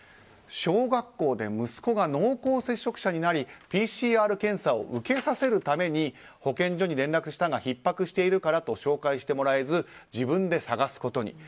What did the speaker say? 小学校で息子が濃厚接触者になりＰＣＲ検査を受けさせるために保健所に連絡したがひっ迫しているからと紹介してもらえず自分で探すことに。